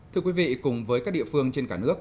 thưa quý vị cùng với các địa phương trên cả nước